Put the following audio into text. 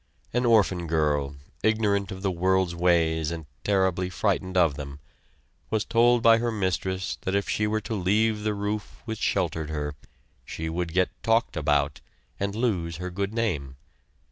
An orphan girl, ignorant of the world's ways and terribly frightened of them, was told by her mistress that if she were to leave the roof which sheltered her she would get "talked about," and lose her good name.